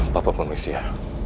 papa pun misi ya